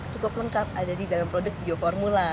cukup lengkap ada di dalam produk bioformula